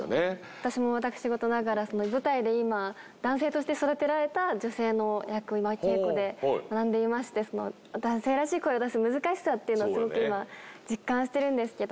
私も私事ながら舞台で今男性として育てられた女性の役を今稽古で学んでいまして男性らしい声を出す難しさっていうのをスゴく今実感してるんですけど。